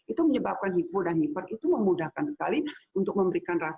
itu menyebabkan hipo dan hiper itu memudahkan sekali untuk memberikan rasa